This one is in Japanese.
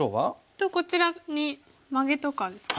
とこちらにマゲとかですか。